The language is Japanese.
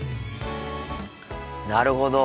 なるほど。